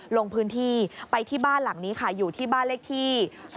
ลงพื้นที่ไปที่บ้านหลังนี้ค่ะอยู่ที่บ้านเลขที่๒๕๖